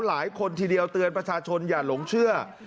หลายคนทีเดียวเตือนประชาชนอย่าหลงเชื่อ